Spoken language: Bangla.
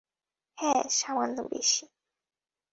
হ্যা, সামান্য বেশি।